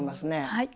はい。